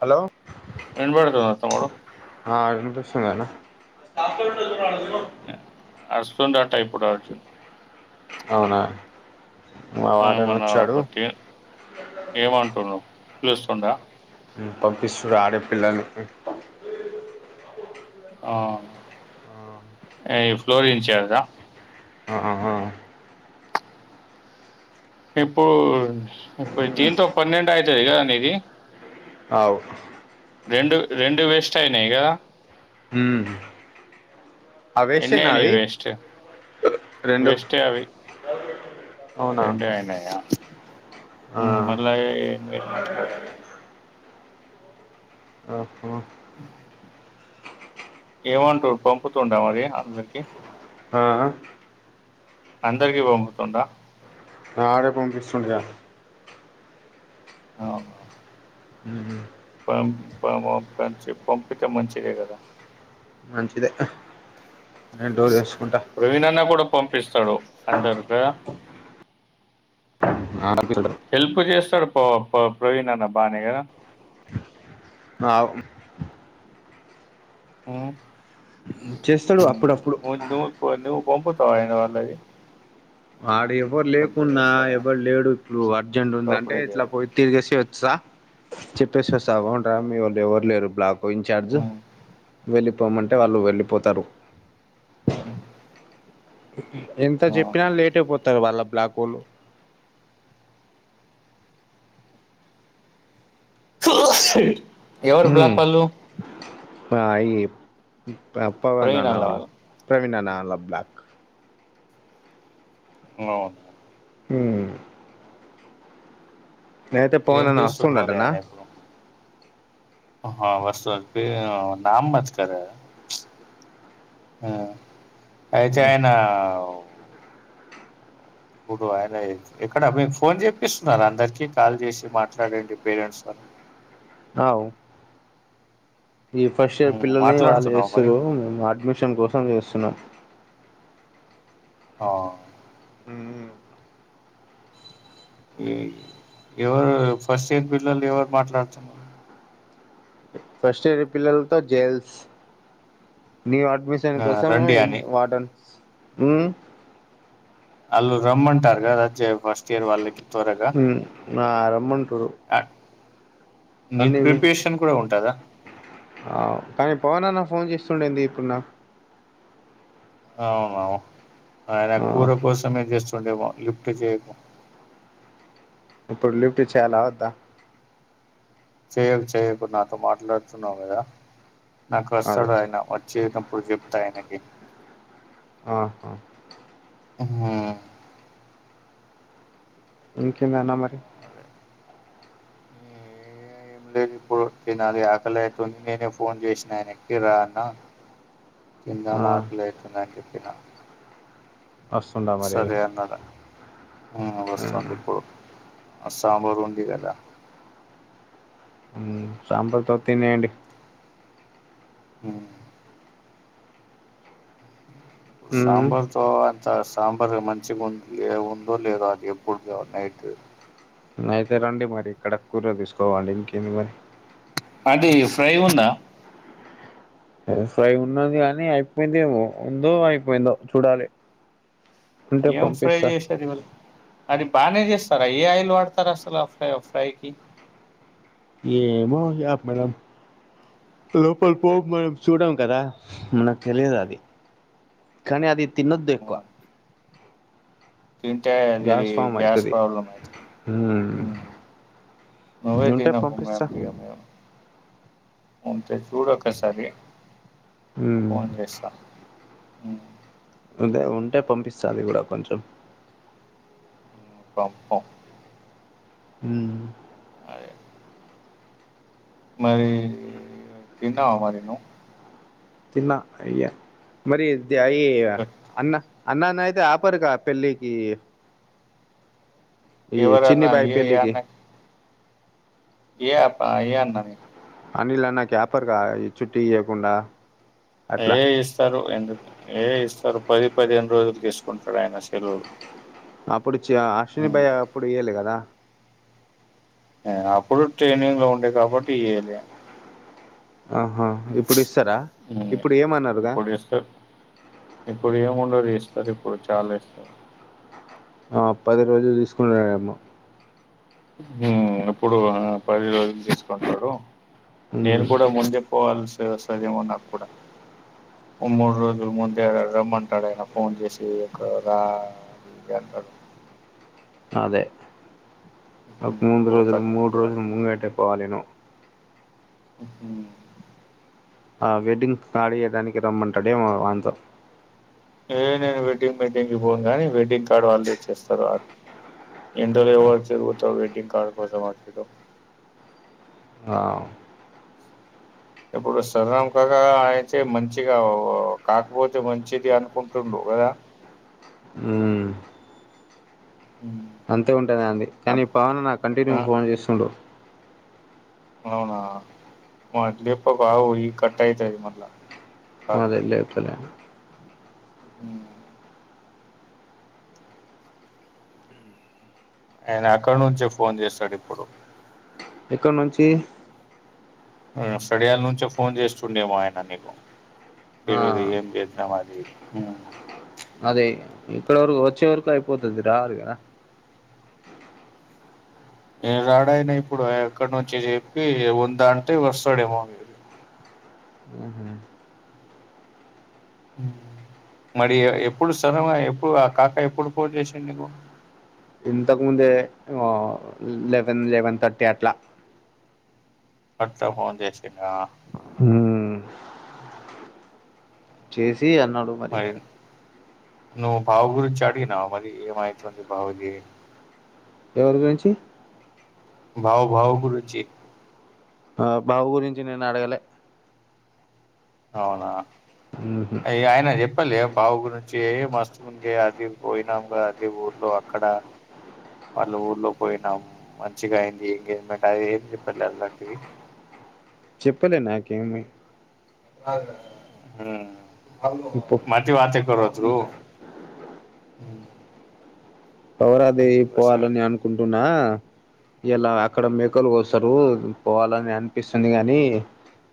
Hello వినపడుతుందా సాండ్. పిస్తుంది అన్నా [unintelligible] టయిపు కావచ్చు. అవునా మా ఆ వాడని మొన్న వచ్చాడు [unintelligible] ఏమంటుండు. పిలుస్తుండా. ఆ పంపిస్రు ఆడే పిల్లను ఆ ఏ ఫ్లోర్ ఇన్ చార్జ్ ఆ ఆ ఆ ఇప్పుడు ఇప్పు దీంతో పన్నెండు అయితది కదా నీది. అవు రెండు రెండు వేస్ట్ అయినయిగా హ్ ఎన్నయిని వేస్ట్ రెండు వేస్టే అవి అవునా రెండె అయినయా. ఆ మళ్ళా మీరు మాట్లాడాలి. ఆఓహో అ ఏమంటురు పంపుతుండ్ర మరి అందరికి. ఆ అందరికి పంపుతుండా. ఆడే పంపిస్తుండుగా. అఓ పంచి పంపితే మంచిదే కదా మంచించిద ప్రవీణన్న కూడా పం పిస్తడు అంటర్ద ఆ హెల్ప్ చేస్తూ చేతాడు పో ప్రవీణ అన్న బానే కదా నా ఊ చేస్తాడు అప్పుడప్పుడు బొంపుతవాయన వాళ్ళది ఆడియో ఎవరు అప్పుడప్పుడు లేకున్నా చేస్తాడా ఎవరు లేడు ఇప్పుడు అర్జెంట్ ఉంది అంటే అప్పుడప్పుడే ఇట్లా చేయాలి పోయి తిరిగేసి వచ్చ చెప్పేసి వస్తా బాగుంటదా మీ వాళ్ళు ఎవరు లేరు బ్లాక్ ఇన్ంచార్జ్ ఉమ్. వెళ్లి పోమంటే వాళ్ళు వెళ్ళిపోతారు ఉమ్. ఎంత అవునా. చెప్పినా లేట్ పోతారు వాళ్ళ బ్లా కోళ్లు ఎవరు బ్లాకు పాళ్ళు బాయి అప్పవ నా ప్రవీణ్ అన్న నావాల వాళ్ళు ప్రవీణ్ నాన్న వాళ్ల బ్లాక్ ఊ అవును హు నేనైతే పవన్ ఏం అన్న చేస్తుండు వసుతుడంటన్న ఆహా వస్తా నాంబాత్కరో హ అయితే ఉమ్, ఆయన ఇప్పుడు ఆయన ఎక్కడ మీకు ఫోన్ చేప్పస్తున్నారు అందరికిీ కాల్ చేసి మాట్లాడండి పేరెంట్స్ వా ఆవు ఈ ఫస్ట్ ఇయర్ ఉమ్, పిల్లల్ని వాళ్ళు మాట్లాడుతున్నావు మరి చేస్తురు మేము అడ్మిషన్ కోసం చేస్తున్నాం ఆ ఉమ్, ఈ ఎవరు ఫస్ట్ ఇయర్ పిల్లలు ఎవరు మాట్లాడుతున్నారు ఫస్ట్ ఇయర్ పిల్లలతో జేల్స్ న్యూ అడ్మిషన్ ఆ, కోసం రండి ఏం అని వాడెన్ హు అల్లు రమ్మంటారుగా జే ఫస్ట్ ఇయర్ వాళ్ళకి త్వరగా హ్మ్ నా రమ్మంటురు నీట్ కానీ ప్రిపరేషన్ కూడా ఉంటదా ఆ కానీ పవన్ అన్న ఫోన్ చేస్తుండేంది ఇప్పుడు నాకు అవునా ఆయన ఆ కూర కోసమే జేసు లెవ లిఫ్ట్ చేయకు ఇప్పుడు లిఫ్ట్ చేయాలా వద్దా చెయ్యకు చేయ్యకు నాతో మాట్లాడుతున్నావు కదా నాకు అదే వస్తడు ఆయన వచ్చేటప్పుడు చెప్తా ఆయనకి యి ఆహా ఉ ఇంకేమన్న మరి ఏం లేదు ఇప్పుడు తినాలి ఆకలౌతుంది నేనే ఫోన్ చేసిన ఆయన ఎక్కి రా అన్నా కింద ఆ మార్కులయితుందని చెప్పిన వస్తుండా మరి సరే అన్నదా ఆ వస్తుంది ఇప్పుడు ఆ సాంబరుంది గద సాంబార్ తో తినేయండి ఉ మ్మ్ సాంబార్ తో అంత స్ సాంబార్ మంచిగా ఉ ఉందో లేదో అది ఎప్పటిదో నైట్ అయితే రండి మరి ఇక్కడ కూర తీసుకోవాలి ఇంకేంది మరి అది ఫ్రై ఉందా ఫ్రై ఉన్నది గాని అయిపోయిందేమో ఉందో అయిపోయిందో చూడాలి ఉంటే ఏం ఫ్రై పంపిస్తా చేసారు ఇవాళ అదిప్ బానే చేస్తారా అ ఏ ఆయిల్ వాడతారు అసలు ఆ ఫ్రై ఫ్రైకి ఏమో మేడమ్ లోపల పోము మనం చూడం కదా నాకు తెలియదు అది కానీ అది తినొద్దు ఎక్కువ ఉమ్, తింటే అది గ్యాస్ ఫామ్ గ్యాస్ అయితది ప్రాబ్లమ్ అవుతుంది మ్మ్ మ్ నువ్వే ఉంటే తినవ్ పంపిస్తా మేడమ్ తీయ మే అవ్ చూడోకసారి ఉమ్ ఫోన్ చేస్తా ఉ అదే ఉంటే పంపిస్తా అది కూడా కొంచెం హ్మ్. పంపం ఉ అదే మరి తిన్నావా మరే ను తిన్న అయ్య మరీ అద యయే గట్ అన్న అన్నాన్న ఐతే ఆపరుక పెళ్ళికి ఈ ఎవరాన్నా చిన్నిబాయి ఏ పెళ్ళికి అన్న ఏ యప్ప ఏ అన్నని అనిల్ అన్నాక్యాపర్గా ఈ చుట్టి చేయకుండా ఏ ఇస్తారు ఎందుకు ఏ ఇస్తారు. పది పదిహేను రోజులు తీసుకుంటాడు ఆయన సెలవులు అప్పుడుచ అశ్విని హ్మ్. భయ్య అప్పుడు ఇయ్యాలే కదా ఆ అప్పుడు ట్రైనింగ్ లో ఉండే కాబట్టి ఇయ్యలే ఆహా ఇప్పుడు ఇస్తారా హ్మ్. ఇప్పుడు ఏమన్రుగా ఇప్పుడు ఇస్తారు ఇప్పుడు ఏముండది ఇస్తారు ఇప్పుడు చాలా ఇస్తారు. ఆ పది రోజులు తీసుకుంటారడమ్మ ఇప్పుడు పది రోజులు తీసుకుంటాడు నేను ఉమ్ కూడా ముందే పోవాల్సీ వస్తుంది ఏమన్నా కూడా మూడు రోజుల ముందే రమ్మంటాడు ఆయన ఫోన్ చేసి ఎక్కడరా అది ఇది అంటాడు. అదే ఉహు నాకు మూడు రోజులు పోతాను నేను మూడు కూడా రోజులు ముంగట్టే పోవాలిగ ఉ హు ఆ వెడ్డింగ్కిఅడిగే దానికి రమ్మంటాడేమో వాంతో ఏయ్ నేను వెడ్డింగ్ మీటింగ్కిి పోను కాని వెడ్డింగ్ కార్డు వాళ్ళు తెచ్చేస్తారు వాళ్ళు ఎండలో ఎవరు తిరుగుతారు వెడ్డింగ్ కార్డు కోసం అటు ఇటు ఆ ఇప్పుడు సరాంకాక అయితే మంచిగా కాకపోతే మంచిది అనుకుంటుండు కదా మ్మ్ అంతే ఉంటుదండి కానీ పవన్ నాకూ ఆ కంటిన్యూగా ఫోన్ చేస్తుండు. అవునా మల్లి అట్లచెప్పు ఈ కట్టయితది మల్ళా అదే చేప్పలే ఊహు ఆయన అక్కడ నుంచే ఫోన్ చేస్తాడు ఇప్పుడు ఎక్కడ నుంచి స్టిడియాల నుంచే ఫోన్ చేస్తుండేమో ఆయన నీకు ఇ ఆ ఏం చేసినవ్ అది ఇది అని ఉ అది ఇక్కడ వరకు వచ్చే వరకు అయిపోతుంది రాదు గద ఇగరాదు ఆయన రాడయినా ఇప్పుడు ఎక్కడి నుంచి చెప్పి ఉందాంటే వస్తాడేమో మేబీ హు మరి ఎప్పుడు సర్ ఎప్పుడు ఆ కాకా ఎప్పుడు ఫోన్ చేసిండు నీకు ఇంతకుముందే ఆ లెవెన్ లెవెన్ థర్టీ అట్లా అట్లా ఫోన్ చేసిండా మ్మ్ చేస్ ంది అన్నాడు మరి నువ్వు బావ గురించి అడిగినవా మరి ఏమవుతుంది బావకి అని ఎవరి గురించి బావ బావ గురించి ఆ బావ గురించి నేను అడగలే అవునా మ్మ్ అయ్య ఆయన చెప్పాలి బావు గురించి ఏ మస్తు ఉందిే అది పోయినాం అదే ఊర్లో అక్కడ వాళ్ళ ఊర్లో పోయినాం మంచిగా అయింది ఎంగేజ్మెంట్ అది ఏమి చెప్పలేలాంటిది చెప్పలే నాకేమి హుమ్ ఇప్పు మాటి వాతే కరో బ్రో పవరాది పోవాలని అనుకుంటుండా ఇలా అక్కడ మేకలుకొస్తారు పోవాలని అనిపిస్తుంది గాని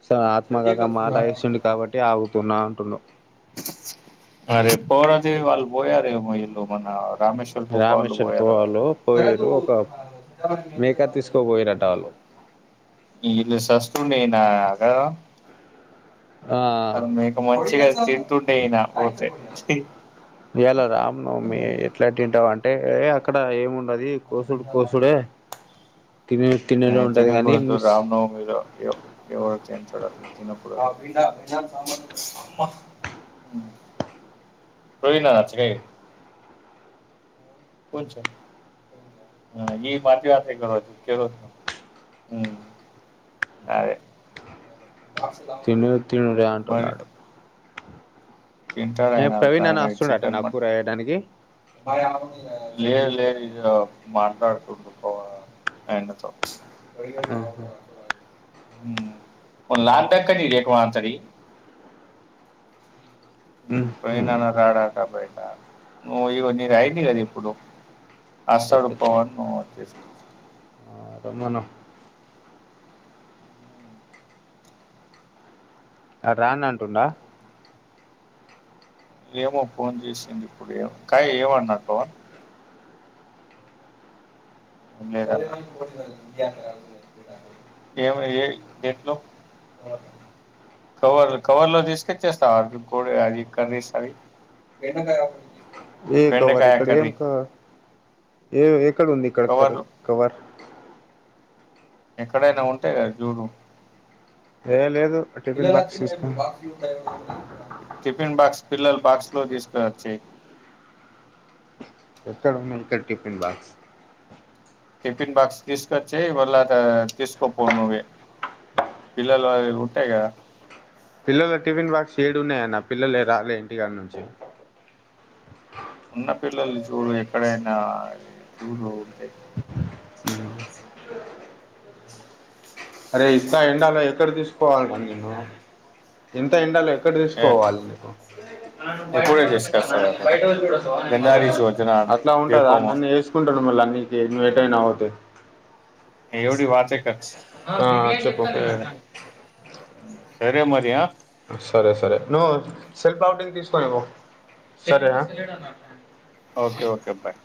సర్ ఆత్మగాగా మాలా వస్తుంది కాబట్టి ఆ ఉన్నా అంటున్నావ్ అరే పోరాది వాళ్ళ పోయ రేమో ఇంద మన రామేశ్వర్ కుప్ప వాళ్ళు రామేశ్వర పోయారు పోవాలో పోయారు ఒక మేక తీసుకోపోయారుట వాళ్ళు ఇలు సస్తూ ననా అగ ఆ అది మీకు మంచిగా తింటుండే అయినా పోతే తియ్ ఇయలా రామ్ నవమి ఎట్లా తింటవు ఆ అంటే అక్కడ ఏముండది కోసుుడు కోశుడే నే తినెపొద్దు మిస్ రామ్నవమి ఎవరు తి పోయినా అచ్చగా కొంచెం ఉమ్ యయ్ తినే తిను లె అంటున్నాడు ఏ తింటాడుఅయన ప్రవీణ్ అన్న అయిన వస్తుండట చికెన్ నాకు కూర మటన్ వేయడానికి లేదు లేదు యో మాట్లాడుతుందిభావా ఆయన తో ఆహా ఉన్ దక్కనిది ఎకువ మా అంతరి ఉహు రడాట బయట ను ఇగ నిది అయింది గదా ఇప్పుడు ఆసాడు అయిపోతు పవన్ నువ్వు వచ్చేసే రమ్మను ఆడు రాని అంటుండా ఏమో ఫోన్ చేసింది ఇప్పుడు కాయ్ ఏవన్నాడు పవన్ లేదే ఏమొ ఎ ఎంట్లో కవర్ కవర్ లో తీస్తే చేస్తా ఇప్పుడే అవి కర్రీస్ అవి ఏ కవర్ బెండకాయ ఇక్కడ ఏం కర్రీ కావర్ ఏవి ఏక్ ఇక్కడ ఉంది కర్ కర కవర్లు కవర్ ఎక్కడైనా ఉంటాయి కదా చూడు ఏ లేదు టిఫిన్ ఇల్లైన బాక్స్ క్లీన్ చేయకు తీసుకుని బాక్సులు ఉంటాయో లేదో కూడా తెలీదు టిఫిన్ బాక్స్ పిల్లల్ బాక్స్ లో తీసుకొచ్చే ఎక్కడ ఉన్నాయి ఇక్కడ టిఫిన్ బాక్స్ టిఫిన్ బాక్స్ తీసుకొచ్చే ఇవాళ్ళ తీసుకోపో నువ్వే పిల్లలు వాళవి ఉంటాయి కదా పిల్లల టిఫిన్ బాక్స్ ఏడు ఉన్నాయన్న పిల్లలే రాలే ఇంటికాడ నుంచి ఉన్న పిల్లలు చూడు ఎక్కడైనా చూడు ఉంటే అరే ఇంత ఎండ లో ఎక్కడ తీసుకుపోవాలి నేను ఇంత ఎండాలో ఎ ఎక్కడ ఏ తీసుకుపోవాలి నీకు ఎప్పుడే తీసుకొస్తారు అక్కడ గంధారి యోజన అట్లా ఉంటదా దేకోమా నన్ను వేసుకుంటారూ మల్లా నీకే నువ్ ఎటాయినా ఒకే ఎవీడి వాచేక ఆ చెప్పు సరే మరి ఆ సరే సరే నువ్వు సెల్ఫ్ అవుటింగ్ తీసుకోని పో సరేన ఓకే ఓకే బాయ్